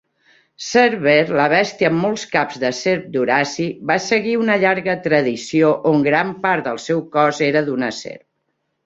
Cèrber, la bèstia amb molts caps de serp d'Horaci, va seguir una llarga tradició on gran part del seu cos era d'una serp.